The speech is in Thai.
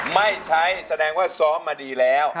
ไม่ใช้แสดงว่าซ้อมมาดีแล้ว